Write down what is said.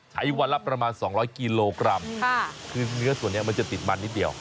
วันละประมาณ๒๐๐กิโลกรัมคือเนื้อส่วนนี้มันจะติดมันนิดเดียว